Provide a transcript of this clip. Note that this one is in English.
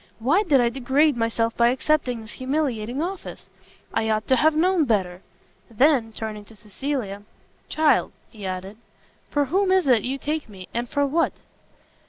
why did I degrade myself by accepting this humiliating office? I ought to have known better!" Then, turning to Cecilia, "Child," he added, "for whom is it you take me, and for what?"